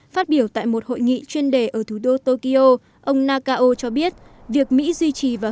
phát biểu tại một hội nghị chuyên đề ở thủ đô tokyo ông nakao cho biết việc mỹ duy trì và